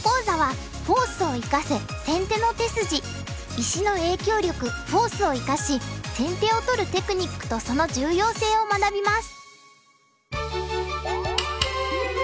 石の影響力フォースを生かし先手を取るテクニックとその重要性を学びます。